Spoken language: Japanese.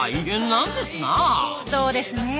そうですね。